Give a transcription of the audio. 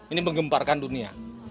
ini menggemparkan dunia